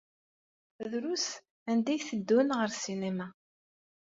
Drus anda ay tteddun ɣer ssinima.